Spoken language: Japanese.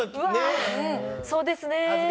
そうですね。